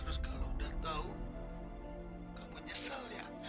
terus kalau udah tahu kamu nyesel ya